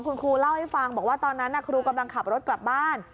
คุณครูเล่าให้ฟังบอกว่าตอนนั้นครูกำลังขับรถกลับบ้าน